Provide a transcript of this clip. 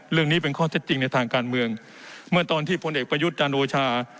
เรื่องนี้เป็นข้อเท็จจริงในทางการเมืองเมื่อตอนที่พลเอกประยุทธ์จันโอชา